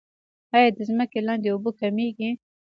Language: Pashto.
آیا د ځمکې لاندې اوبه کمیږي؟